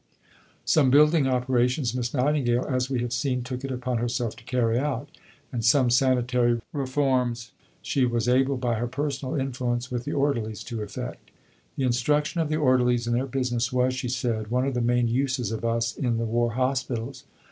'" Some building operations, Miss Nightingale, as we have seen, took it upon herself to carry out; and some sanitary reforms she was able, by her personal influence with the orderlies, to effect. "The instruction of the Orderlies in their business was," she said, "one of the main uses of us in the War Hospitals."